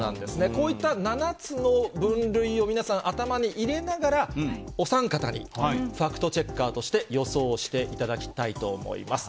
こういった７つの分類を皆さん、頭に入れながら、お三方にファクトチェッカーとして予想していただきたいと思います。